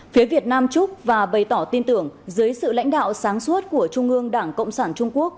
phía việt nam chúc và bày tỏ tin tưởng dưới sự lãnh đạo sáng suốt của trung ương đảng cộng sản trung quốc